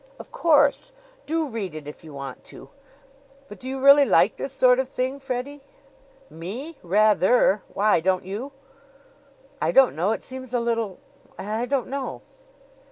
"Of course! Do read if you want to. But do you really like this sort of thing, Freddie?" "Me? Rather! Why don't you?" "I don't know. It seems a little I don't know."